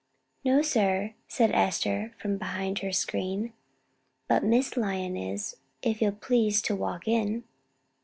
"No, sir," said Esther from behind her screen; "but Miss Lyon is, if you'll please to walk in."